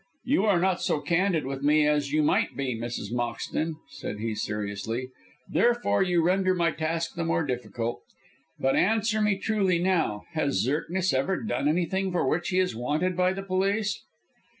"You are not so candid with me as you might be, Mrs. Moxton," said he, seriously, "therefore you render my task the more difficult. But answer me truly now. Has Zirknitz ever done anything for which he is wanted by the police?"